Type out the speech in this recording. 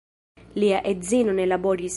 Lia edzino ne laboris.